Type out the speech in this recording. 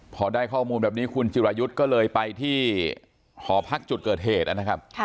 พอได้ข้อมูลแบบนี้คุณจิรายุทธ์ก็เลยไปที่หอพักจุดเกิดเหตุนะครับ